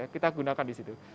kita gunakan di situ